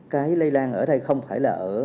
cái lây lan ở đây không phải là